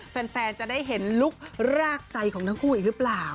แฟนจะได้เห็นลุครากไซดของทั้งคู่อีกหรือเปล่า